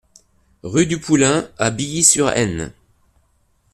Rue du Poulain à Billy-sur-Aisne